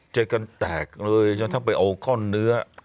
จัดการแตกเลยทั้งไปเอากล้อเนื้อ